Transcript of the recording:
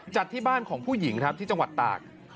จัดที่บ้านของผู้หญิงครับที่จังหวัดตาก